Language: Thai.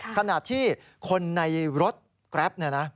ขณะที่คนในรถกราฟ